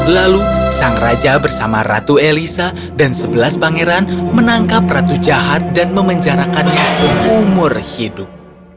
dua ribu lalu sang raja bersama ratu elisa dan sebelas pangeran menangkap ratu jahat dan memenjarakannya seumur hidup